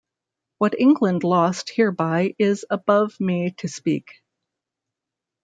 What England lost hereby is above me to speak.